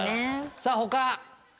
さぁ他！